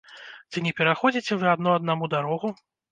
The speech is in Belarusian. Ці не пераходзіце вы адно аднаму дарогу?